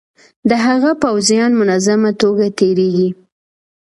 د هغه پوځیان منظمه توګه تیریږي.